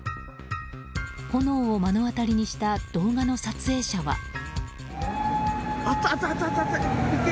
炎を目の当たりにした動画の撮影者は。